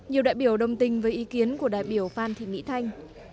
nhiều đại biểu đồng tình với ý kiến của đại biểu phan thị mỹ thanh